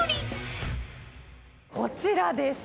こちらです。